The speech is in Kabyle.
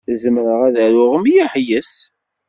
Zemreɣ ad aruɣ mliḥ yes-s.